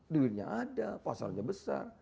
duitnya ada pasalnya besar